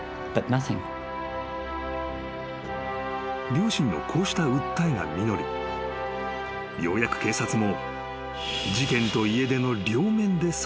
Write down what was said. ［両親のこうした訴えが実りようやく警察も］